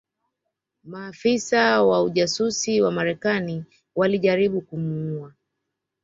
Maafisa wa ujasusi wa Marekani walijaribu kumuua